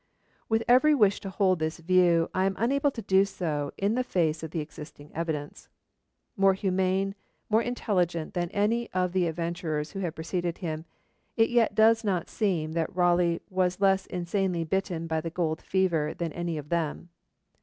With every wish to hold this view, I am unable to do so in the face of the existing evidence. More humane, more intelligent than any of the adventurers who had preceded him, it yet does not seem that Raleigh was less insanely bitten with the gold fever than any of them.